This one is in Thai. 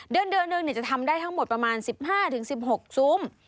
เดือนหนึ่งจะทำได้ทั้งหมดประมาณ๑๕๑๖ซุ้ม